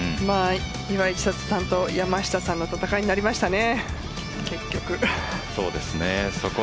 岩井千怜さんと山下さんの戦いになりましたね。